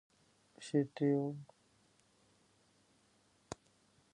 以前打個電話叫撥個輪，因為嗰時係用攪盤式電話。